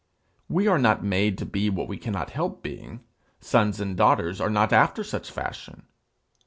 We are not made to be what we cannot help being; sons and daughters are not after such fashion!